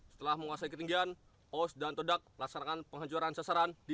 setelah menguasai ketinggian os dan todak laksanakan penghancuran sasaran di t dua belas